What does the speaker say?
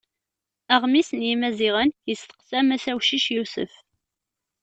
Aɣmis n Yimaziɣen yesteqsa mass Awcic Yusef.